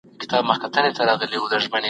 د نوښت رول څه و؟